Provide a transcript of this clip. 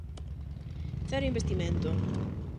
Cero investimento.